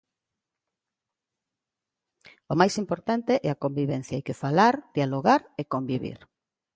O máis importante é a convivencia, hai que falar, dialogar e convivir.